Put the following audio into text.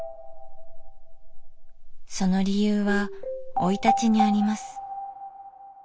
その理由は生い立ちにあります。